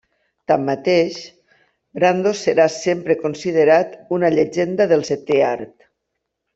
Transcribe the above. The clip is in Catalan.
Tanmateix, Brando serà sempre considerat una llegenda del setè art.